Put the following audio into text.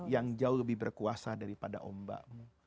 yang jauh lebih berkuasa daripada ombakmu